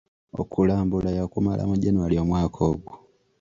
Okulambula yakumala mu January omwaka ogwo.